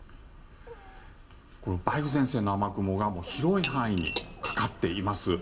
梅雨前線の雨雲が広い範囲にかかっています。